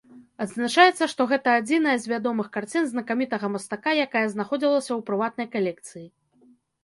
Адзначаецца, што гэта адзіная з вядомых карцін знакамітага мастака, якая знаходзілася ў прыватнай калекцыі.